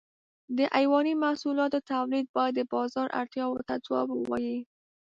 د حيواني محصولاتو تولید باید د بازار اړتیاو ته ځواب ووایي.